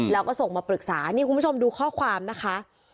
แล้วก็ส่งมาปรึกษานี่คุณผู้ชมดูข้อความนะคะ